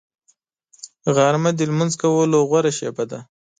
غرمه د لمونځ کولو غوره شېبه ده